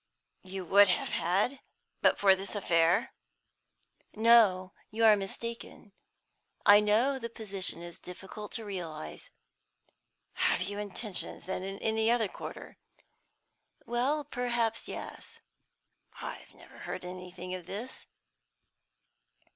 "You would have had, but for this affair?" "No; you are mistaken. I know the position is difficult to realise." "Have you intentions, then, in any other quarter?" "Well, perhaps yes." "I've never heard anything of this."